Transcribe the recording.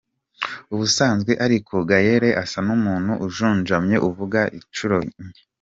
Ubusanzwe ariko Gaëlle asa n’umuntu ujunjamye uvuga inshuro nke.